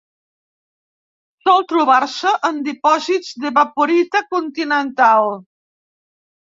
Sol trobar-se en dipòsits d'evaporita continental.